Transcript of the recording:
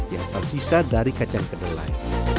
yang tersisa dari kacang kedelai